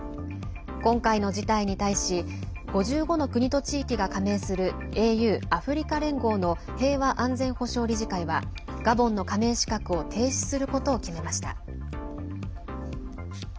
今回の事態に対し５５の国と地域が加盟するＡＵ＝アフリカ連合の平和・安全保障理事会はガボンの加盟資格を停止することを決めました。